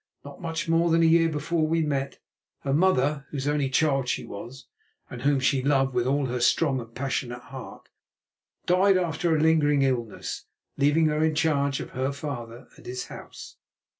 Not much more than a year before we met, her mother, whose only child she was, and whom she loved with all her strong and passionate heart, died after a lingering illness, leaving her in charge of her father and his house.